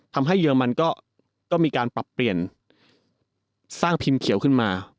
เยอรมันก็มีการปรับเปลี่ยนสร้างพิมพ์เขียวขึ้นมา